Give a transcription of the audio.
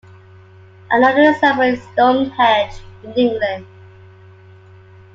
Another example is Stonehenge in England.